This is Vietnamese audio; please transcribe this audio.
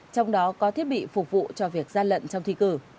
trong đó có thiết bị phục vụ cho việc gian lận trong thi cử